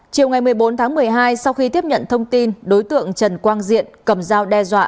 chiều ngày một mươi bốn tháng một mươi hai sau khi tiếp nhận thông tin đối tượng trần quang diện cầm dao đe dọa